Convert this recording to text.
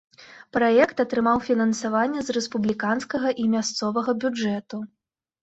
Праект атрымаў фінансаванне з рэспубліканскага і мясцовага бюджэту.